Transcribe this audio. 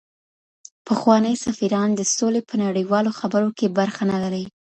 پخواني سفیران د سولي په نړیوالو خبرو کي برخه نه لري.